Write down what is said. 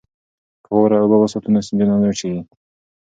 که واوره اوبه وساتو نو سیندونه نه وچیږي.